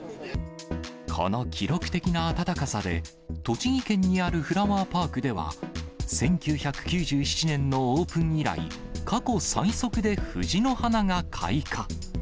この記録的な暖かさで、栃木県にあるフラワーパークでは、１９９７年のオープン以来、過去最速で藤の花が開花。